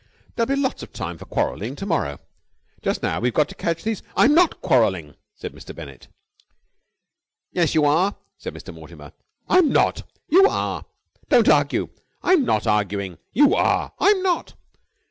"There'll be lots of time for quarrelling to morrow. Just now we've got to catch these...." "I'm not quarrelling," said Mr. Bennett. "Yes, you are," said Mr. Mortimer. "I'm not!" "You are!" "Don't argue!" "I'm not arguing!" "You are!" "I'm not!"